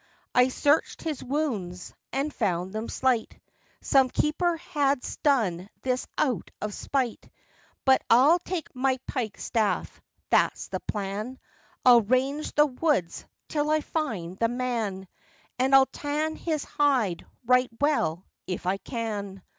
I searched his wounds, and found them slight, Some keeper has done this out of spite; But I'll take my pike staff,—that's the plan! I'll range the woods till I find the man, And I'll tan his hide right well,—if I can!